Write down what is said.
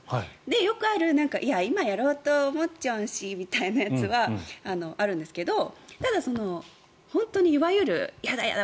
よくある、今やろうと思ってたしみたいなのはあるんですけどただ、本当に、いわゆるやだやだ！